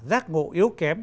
giác ngộ yếu kém